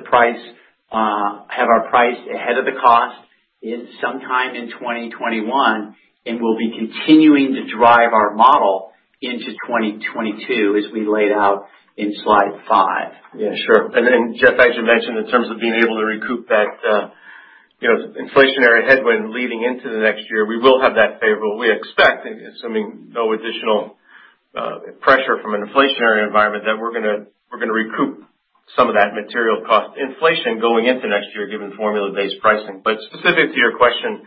our price ahead of the cost in sometime in 2021, and we'll be continuing to drive our model into 2022 as we laid out in slide five. Yeah, sure. Then Jeff, as you mentioned, in terms of being able to recoup that inflationary headwind leading into the next year, we will have that favorable. We expect, assuming no additional pressure from an inflationary environment, that we're going to recoup some of that material cost inflation going into next year, given formula-based pricing. Specific to your question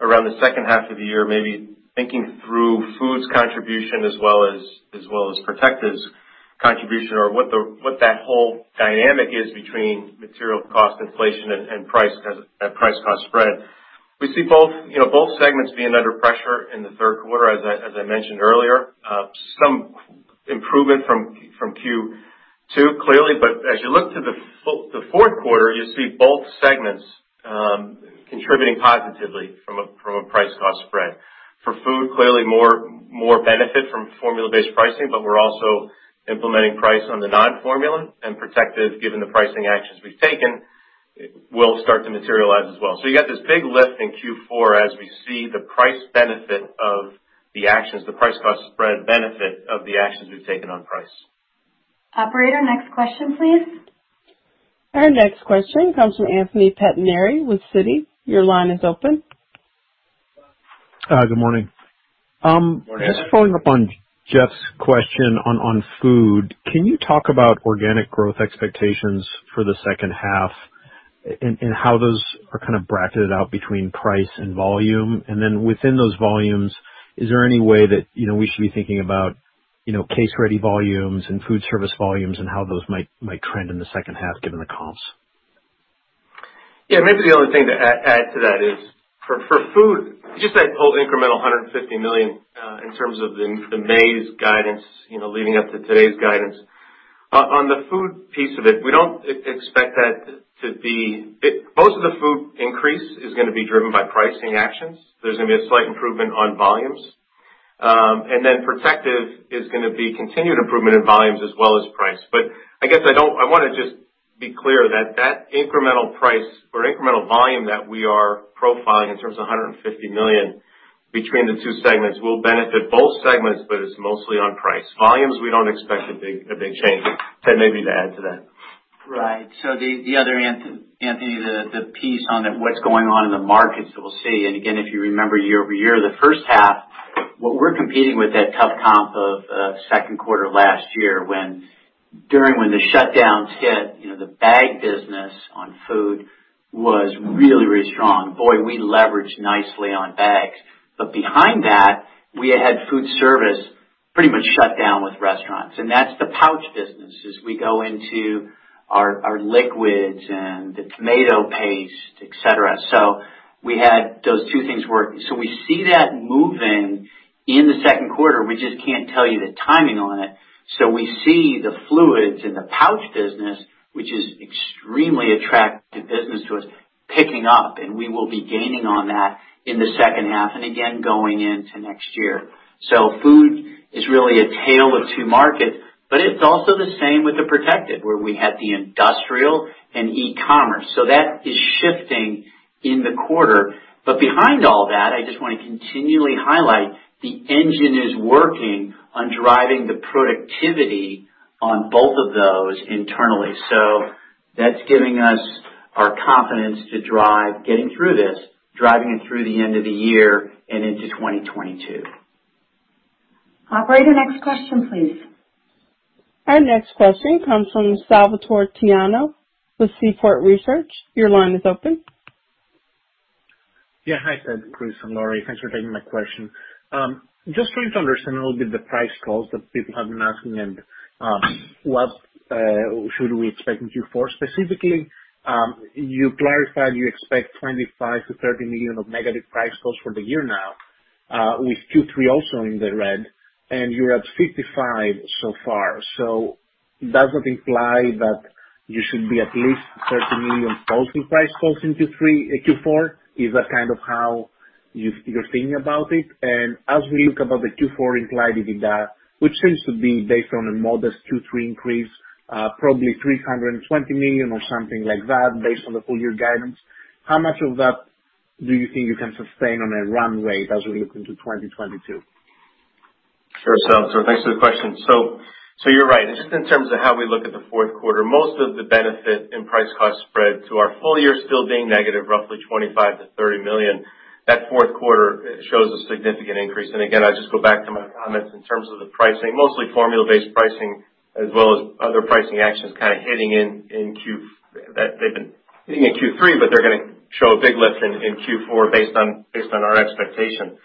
around the second half of the year, maybe thinking through Food's contribution as well as Protective's contribution or what that whole dynamic is between material cost inflation and price cost spread. We see both segments being under pressure in the third quarter, as I mentioned earlier. Some improvement from Q2, clearly, but as you look to the fourth quarter, you see both segments contributing positively from a price cost spread. For Food, clearly more benefit from formula-based pricing, but we're also implementing price on the non-formula and Protective, given the pricing actions we've taken, will start to materialize as well. You got this big lift in Q4 as we see the price benefit of the actions, the price cost spread benefit of the actions we've taken on price. Operator, next question, please. Our next question comes from Anthony Pettinari with Citi. Your line is open. Good morning. Morning. Just following up on Jeff's question on Food. Can you talk about organic growth expectations for the second half and how those are kind of bracketed out between price and volume? Then within those volumes, is there any way that we should be thinking about case-ready volumes and food service volumes and how those might trend in the second half given the comps? Yeah, maybe the only thing to add to that is for Food, just that whole incremental $150 million, in terms of the May's guidance, leading up to today's guidance. The Food piece of it, most of the Food increase is going to be driven by pricing actions. There's going to be a slight improvement on volumes. Protective is going to be continued improvement in volumes as well as price. I guess I want to just be clear that that incremental price or incremental volume that we are profiling in terms of $150 million between the two segments will benefit both segments, but it's mostly on price. Volumes, we don't expect a big change. Ted, maybe to add to that. Right. The other, Anthony, the piece on what's going on in the markets that we'll see, and again, if you remember year-over-year, the first half, what we're competing with that tough comp of second quarter last year when during the shutdowns hit, the bag business on Food was really, really strong. Boy, we leveraged nicely on bags. Behind that, we had food service pretty much shut down with restaurants, and that's the pouch business as we go into our liquids and the tomato paste, et cetera. We had those two things work. We see that moving in the second quarter. We just can't tell you the timing on it. We see the fluids in the pouch business, which is extremely attractive business to us, picking up, and we will be gaining on that in the second half and again, going into next year. Food is really a tale of two markets, but it's also the same with the Protective, where we had the industrial and e-commerce. That is shifting in the quarter. Behind all that, I just want to continually highlight the see operating engine is working on driving the productivity on both of those internally. That's giving us our confidence to drive getting through this, driving it through the end of the year and into 2022. Operator, next question, please. Our next question comes from Salvator Tiano with Seaport Research. Your line is open. Hi, Ted, Chris, and Lori. Thanks for taking my question. For me to understand a little bit the price cost spread that people have been asking and what should we expect in Q4. Specifically, you clarified you expect $25 million-$30 million of negative price cost spread for the year now, with Q3 also in the red, and you're at $55 million so far. Does that imply that you should be at least $30 million positive price cost spread in Q4? Is that kind of how you're thinking about it? As we look about the Q4 implied EBITDA, which seems to be based on a modest Q3 increase, probably $320 million or something like that based on the full year guidance, how much of that do you think you can sustain on a run rate as we look into 2022? Sure. Sal, thanks for the question. Just in terms of how we look at the fourth quarter, most of the benefit in price cost spread to our full year still being negative, roughly $25 million-$30 million. That fourth quarter shows a significant increase. Again, I'll just go back to my comments in terms of the pricing, mostly formula-based pricing as well as other pricing actions kind of hitting in Q3, but they're going to show a big lift in Q4 based on our expectation.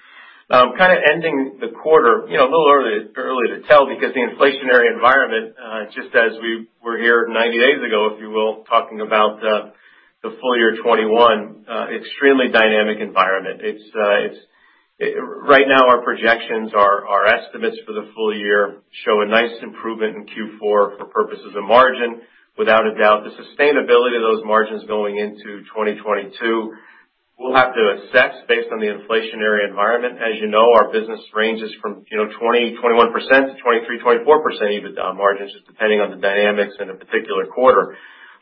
Kind of ending the quarter, a little early to tell because the inflationary environment, just as we were here 90 days ago, if you will, talking about the full year 2021, extremely dynamic environment. Right now, our projections, our estimates for the full year show a nice improvement in Q4 for purposes of margin. Without a doubt, the sustainability of those margins going into 2022, we'll have to assess based on the inflationary environment. As you know, our business ranges from 20%-21% to 23%-24% EBITDA margins, just depending on the dynamics in a particular quarter.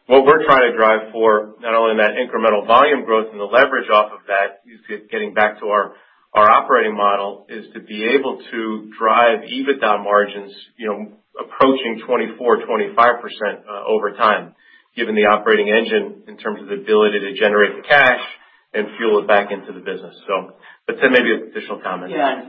What we're trying to drive for, not only in that incremental volume growth and the leverage off of that, getting back to our operating model, is to be able to drive EBITDA margins approaching 24%-25% over time, given the SEE operating engine in terms of the ability to generate the cash and fuel it back into the business. Ted maybe an additional comment. Yeah.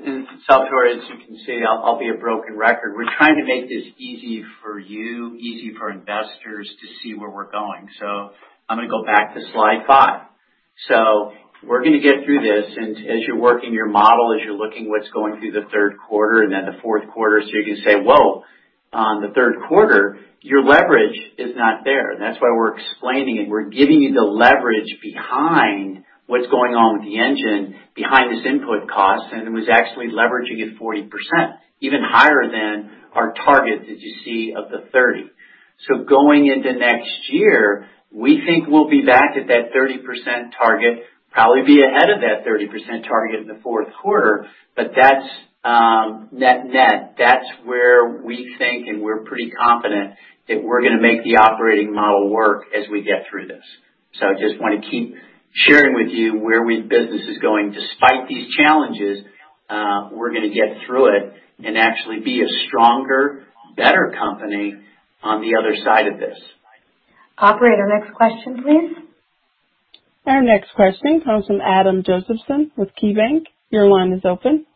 Salvator, as you can see, I'll be a broken record. We're trying to make this easy for you, easy for investors to see where we're going. I'm going to go back to slide five. We're going to get through this, and as you're working your model, as you're looking what's going through the third quarter and then the fourth quarter, you can say, "Whoa, on the third quarter, your leverage is not there." That's why we're explaining it. We're giving you the leverage behind what's going on with the engine, behind this input cost, and it was actually leveraging at 40%, even higher than our target that you see of the 30%. Going into next year, we think we'll be back at that 30% target, probably be ahead of that 30% target in the fourth quarter. That's net net. That's where we think, and we're pretty confident that we're going to make the operating model work as we get through this. I just want to keep sharing with you where business is going. Despite these challenges, we're going to get through it and actually be a stronger, better company on the other side of this. Operator, next question, please. Our next question comes from Adam Josephson with KeyBanc. Your line is open.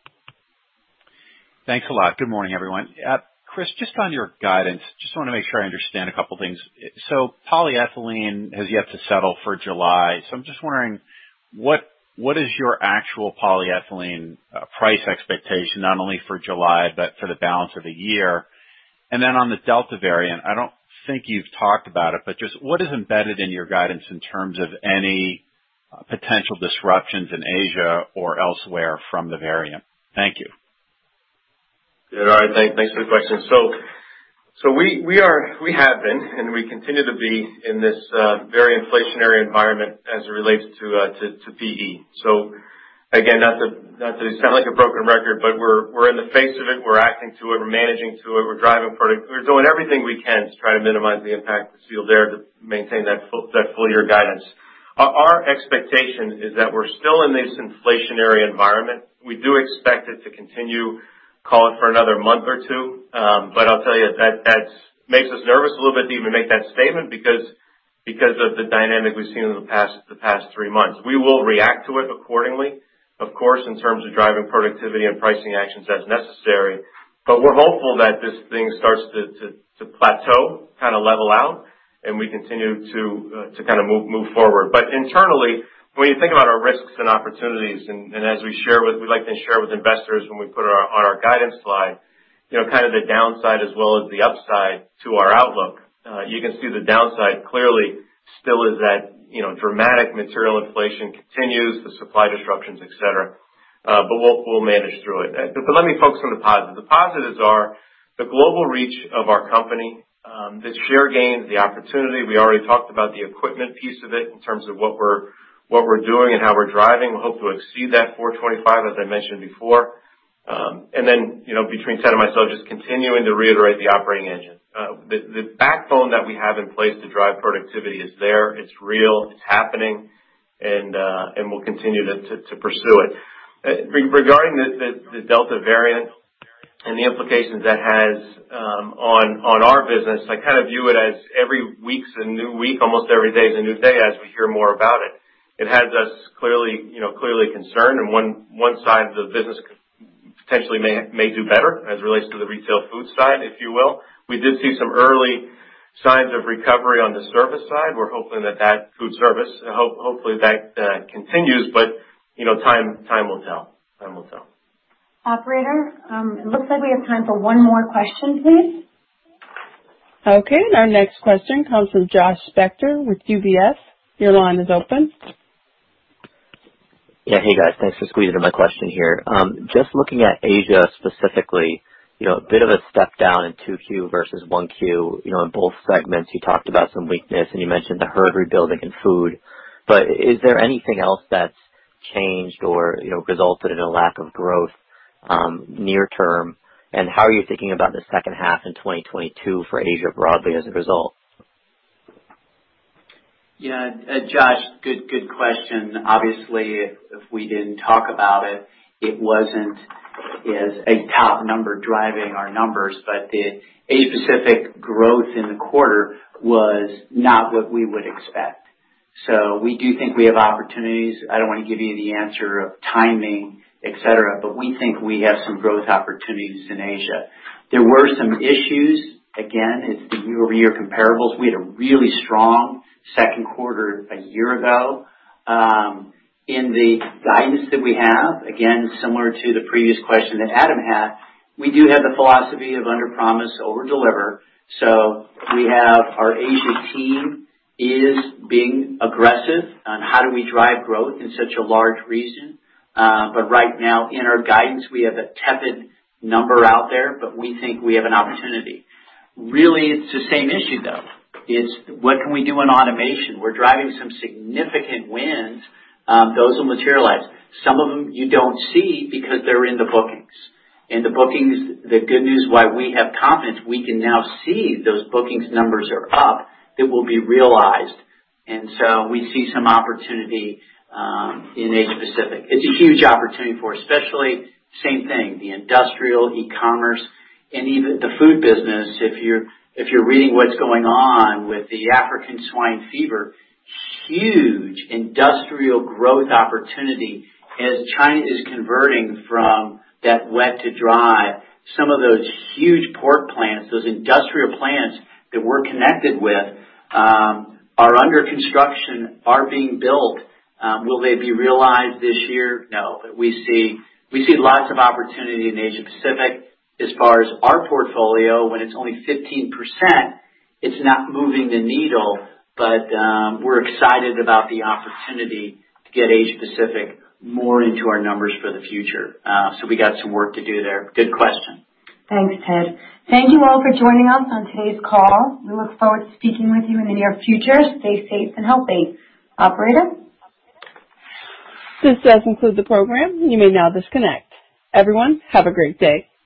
Thanks a lot. Good morning, everyone. Chris, just on your guidance, just want to make sure I understand a couple things. Polyethylene has yet to settle for July. I'm just wondering, what is your actual polyethylene price expectation, not only for July, but for the balance of the year? On the Delta variant, I don't think you've talked about it, but just what is embedded in your guidance in terms of any potential disruptions in Asia or elsewhere from the variant? Thank you. Yeah. Thanks for the question. We have been, and we continue to be in this very inflationary environment as it relates to PE. Again, not to sound like a broken record, but we're in the face of it. We're acting to it. We're managing to it. We're doing everything we can to try to minimize the impact to Sealed Air to maintain that full-year guidance. Our expectation is that we're still in this inflationary environment. We do expect it to continue, call it, for another month or two. I'll tell you, that makes us nervous a little bit to even make that statement because of the dynamic we've seen in the past three months. We will react to it accordingly, of course, in terms of driving productivity and pricing actions as necessary. We're hopeful that this thing starts to plateau, kind of level out, and we continue to move forward. Internally, when you think about our risks and opportunities, and we like to share with investors when we put on our guidance slide, kind of the downside as well as the upside to our outlook. You can see the downside clearly still is that dramatic material inflation continues, the supply disruptions, et cetera. We'll manage through it. Let me focus on the positives. The positives are the global reach of our company, the share gains, the opportunity. We already talked about the equipment piece of it in terms of what we're doing and how we're driving. We hope to exceed that 425, as I mentioned before. Between Ted and myself, just continuing to reiterate the SEE operating engine. The backbone that we have in place to drive productivity is there. It's real. It's happening. We'll continue to pursue it. Regarding the Delta variant and the implications that has on our business, I kind of view it as every week's a new week, almost every day is a new day, as we hear more about it. It has us clearly concerned, and one side of the business potentially may do better as it relates to the retail food side, if you will. We did see some early signs of recovery on the service side. We're hoping that food service, hopefully, that continues. Time will tell. Operator, it looks like we have time for one more question, please. Okay. Our next question comes from Josh Spector with UBS. Your line is open. Hey, guys. Thanks for squeezing in my question here. Just looking at Asia specifically, a bit of a step down in Q2 versus Q1. In both segments, you talked about some weakness, and you mentioned the herd rebuilding in Food. Is there anything else that's changed or resulted in a lack of growth near term? How are you thinking about the second half in 2022 for Asia broadly as a result? Yeah. Josh, good question. Obviously, if we didn't talk about it wasn't as a top number driving our numbers. The Asia Pacific growth in the quarter was not what we would expect. We do think we have opportunities. I don't want to give you the answer of timing, et cetera, but we think we have some growth opportunities in Asia. There were some issues. Again, it's the year-over-year comparables. We had a really strong second quarter a year ago. In the guidance that we have, again, similar to the previous question that Adam had, we do have the philosophy of underpromise, overdeliver. We have our Asia team is being aggressive on how do we drive growth in such a large region. Right now in our guidance, we have a tepid number out there, but we think we have an opportunity. It's the same issue, though. It's what can we do in automation? We're driving some significant wins. Those will materialize. Some of them you don't see because they're in the bookings. In the bookings, the good news why we have confidence, we can now see those bookings numbers are up that will be realized. We see some opportunity in Asia Pacific. It's a huge opportunity for, especially, same thing, the industrial, e-commerce, and even the Food business. If you're reading what's going on with the African swine fever, huge industrial growth opportunity as China is converting from that wet to dry. Some of those huge pork plants, those industrial plants that we're connected with are under construction, are being built. Will they be realized this year? No. We see lots of opportunity in Asia Pacific. As far as our portfolio, when it's only 15%, it's not moving the needle, but we're excited about the opportunity to get Asia Pacific more into our numbers for the future. We got some work to do there. Good question. Thanks, Ted. Thank you all for joining us on today's call. We look forward to speaking with you in the near future. Stay safe and healthy. Operator? This does conclude the program. You may now disconnect. Everyone, have a great day.